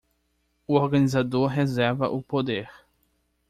O organizador reserva o poder